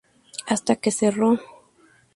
Hasta que cerro.